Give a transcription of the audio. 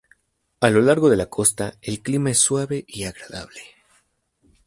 A lo largo de la costa el clima es suave y agradable.